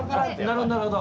なるほどなるほど。